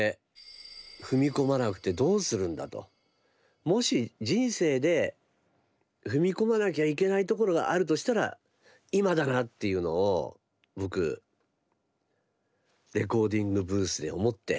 もうもし人生で踏み込まなきゃいけないところがあるとしたら今だなっていうのを僕レコーディングブースで思って。